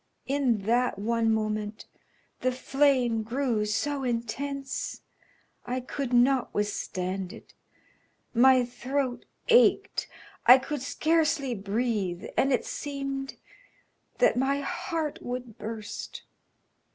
In that one moment the flame grew so intense I could not withstand it. My throat ached; I could scarcely breathe, and it seemed that my heart would burst."